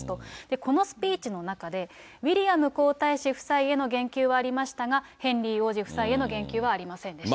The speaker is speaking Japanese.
このスピーチの中で、ウィリアム皇太子夫妻への言及はありましたが、ヘンリー王子夫妻への言及はありませんでした。